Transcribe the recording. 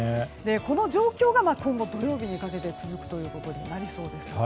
この状況が今後土曜日にかけて続くということになりそうです。